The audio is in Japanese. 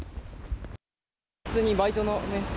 普通にバイトの面接。